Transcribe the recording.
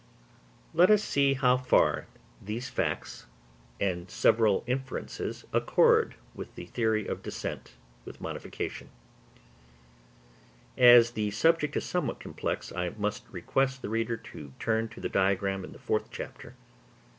Let us see how far these several facts and inferences accord with the theory of descent with modification. As the subject is somewhat complex, I must request the reader to turn to the diagram in the fourth chapter.